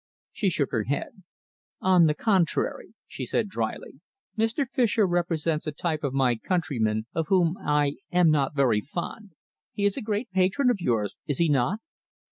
She shook her head. "On the contrary," she said drily, "Mr. Fischer represents a type of my countrymen of whom I am not very fond. He is a great patron of yours, is he not?"